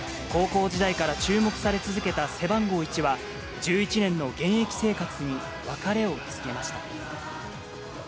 高校時代から注目され続けた背番号１は、１１年の現役生活に別れを告げました。